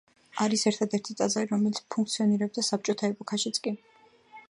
არის ერთადერთი ტაძარი, რომელიც ფუნქციონირებდა საბჭოთა ეპოქაშიც კი.